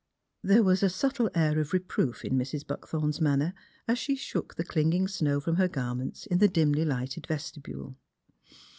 There was a subtle air of reproof in Mrs. Buckthorn's man ner, as she shook the clinging snow from her gar ments in the dimly lighted vestibule.